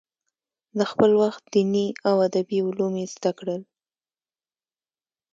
د خپل وخت دیني او ادبي علوم یې زده کړل.